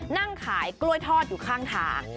นั่งขายกล้วยทอดอยู่ข้างทาง